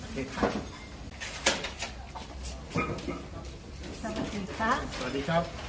สวัสดีครับสวัสดีครับ